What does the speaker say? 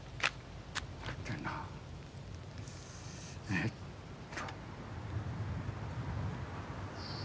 えっと。